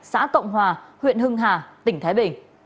xã cộng hòa huyện hưng hà tỉnh thái bình